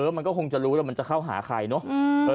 มันก็คงจะรู้แล้วมันจะเข้าหาใครเนอะ